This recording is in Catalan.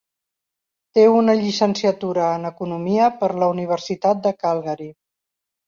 Té una llicenciatura en Economia per la Universitat de Calgary.